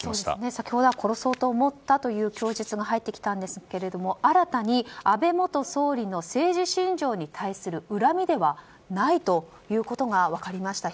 先ほどは、殺そうと思ったという供述が入ってきたんですが新たに、安倍元総理の政治信条に対する恨みではないということが分かりました。